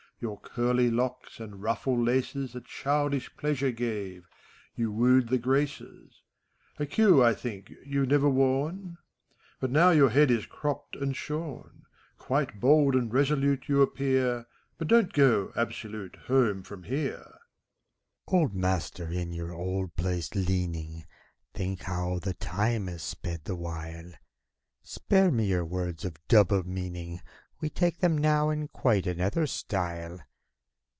Your curly locks and ruffle laces A childish pleasure gave; you wooed the graces. A queue, I think, youVe never worn ? 72 FAUST. But now your head is cropped and shorn. Quite bold and resolute you appear. But don't go, absolute, home from here! BACCALAUREUS. Old master, in your old place leaning, Think how the time has sped, the while! Spare me your words of double meaning! We take them now in quite another style.